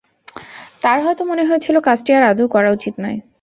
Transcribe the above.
তার হয়তো মনে হয়েছিল কাজটি তার আদৌ করা উচিত নয়।